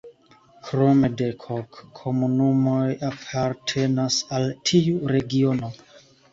Krome dek-ok komunumoj apartenas al tiu regiono.